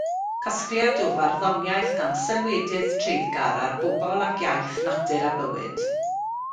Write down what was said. Casgliad o farddoniaeth gan sylwedydd treiddgar ar bobl ac iaith, natur a bywyd.